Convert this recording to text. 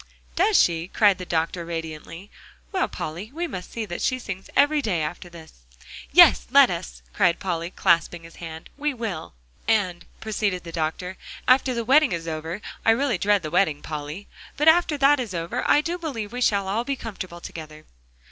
"Does she?" cried the doctor radiantly. "Well, Polly, we must see that she sings every day, after this." "Yes, let us," cried Polly, clasping his hand; "we will." "And," proceeded the doctor, "after the wedding is over I It really dread the wedding, Polly but after that is over, I do believe we shall all be comfortable together!"